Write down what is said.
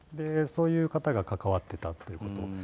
そういう方が関わってたということ。